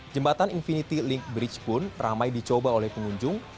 jembatan infinity link bridge pun ramai dicoba oleh pengunjung